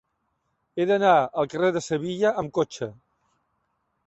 He d'anar al carrer de Sevilla amb cotxe.